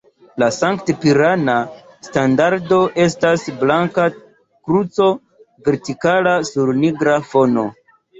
La sankt-pirana standardo estas blanka kruco vertikala sur nigra fono.